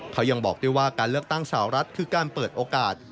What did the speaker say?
เขายังบอกด้วยว่าการเลือกตั้งสาวรัฐคือการเปิดโอกาส